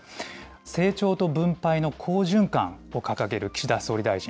成長と分配の好循環を掲げる岸田総理大臣。